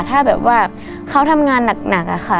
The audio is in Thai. ถ้าแบบว่าเขาทำงานหนักอะค่ะ